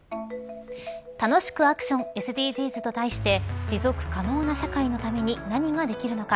楽しくアクションＳＤＧｓと題して持続可能な社会のために何ができるのか。